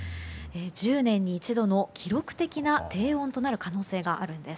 １０年に一度の記録的な低温となる可能性があるんです。